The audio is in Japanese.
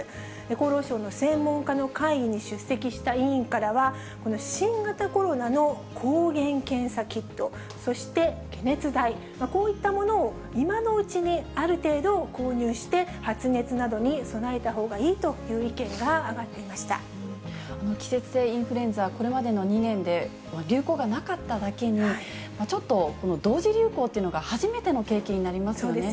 厚労省の専門家の会議に出席した委員からは、新型コロナの抗原検査キット、そして、解熱剤、こういったものを今のうちにある程度、購入して発熱などに備えたほうがいいという意見が挙がっていまし季節性インフルエンザ、これまでの２年で流行がなかっただけに、ちょっと同時流行というのが初めての経験になりますよね。